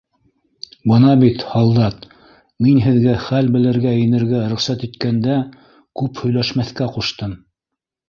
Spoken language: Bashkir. — Бына бит, һалдат, мин һеҙгә хәл белергә инергә рөхсәт иткәндә күп һөйләшмәҫкә ҡуштым.